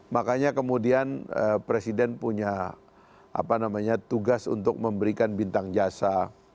makanya kemudian presiden punya tugas untuk memberikan bintang jasa